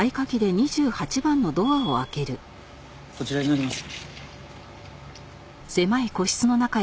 こちらになります。